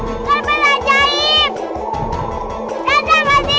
oh lalaa peri udah gak kuat lagi